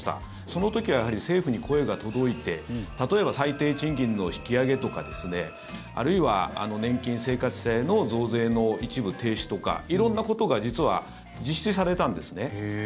その時は、やはり政府に声が届いて例えば、最低賃金の引き上げとかあるいは年金生活者への増税の一部停止とか色んなことが実は実施されたんですね。